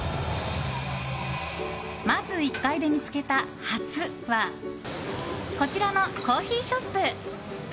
まず１階で見つけた「初」はこちらのコーヒーショップ。